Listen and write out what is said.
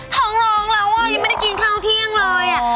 ท้องร้องแล้วยังไม่ได้กินข้าวเที่ยงเลย